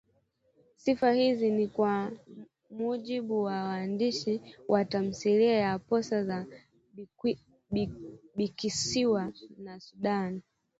Sifa hizi ni kwa mujibu wa waandishi wa tamthilia ya Posa za Bikisiwa na Sudana